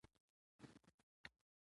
سوله د ټولنې د ثبات نښه ده